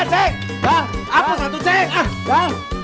ceng bukan ceng